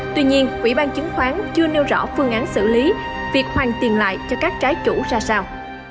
tuy nhiên quỹ ban chứng khoán chưa nêu rõ phương án xử lý việc hoàn tiền lại cho các trái chủ ra sao